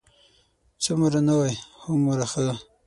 څومره نوی، هومره ښه.